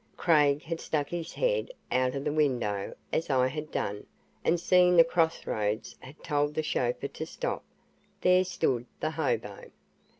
Craig had stuck his head out of the window, as I had done, and, seeing the crossroads, had told the chauffeur to stop. There stood the hobo.